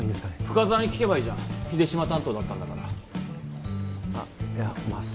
深沢に聞けばいいじゃん秀島担当だったんだからあっいやまあ